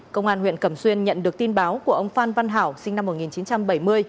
công an huyện cẩm xuyên nhận được tin báo của ông phan văn hảo sinh năm một nghìn chín trăm bảy mươi